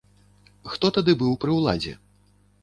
Хто тады быў пры ўладзе?